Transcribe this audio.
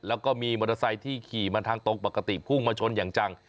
แล้วก็มีมอเตอร์ไซค์ที่ขี่มาทางตรงปกติพุ่งมาชนอย่างจัง